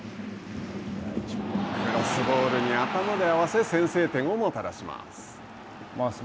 クロスボールに頭で合わせ、先制点をもたらします。